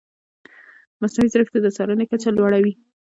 مصنوعي ځیرکتیا د څارنې کچه لوړه وي.